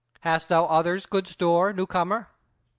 Hast thou others good store, new comer?"